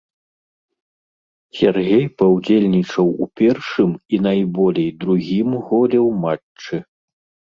Сяргей паўдзельнічаў у першым і найболей другім голе ў матчы.